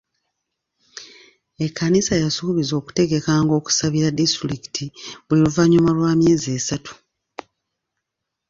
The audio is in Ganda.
Ekkanisa yasuubizza okutegekanga okusabira disitulikiti buli luvannyuma lwa -myezi esatu.